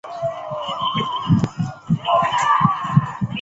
茅利塔尼亚的奴隶制度是摩尔人持续已久社会的阶级制度。